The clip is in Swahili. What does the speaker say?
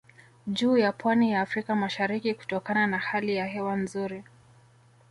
Juu ya pwani ya Afrika mashariki kutokana na hali ya hewa nzuri